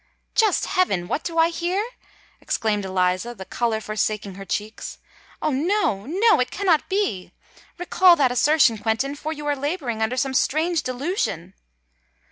"Just heaven! what do I hear?" exclaimed Eliza, the colour forsaking her cheeks. "Oh! no—no: it cannot be! Recall that assertion, Quentin; for you are labouring under some strange delusion!"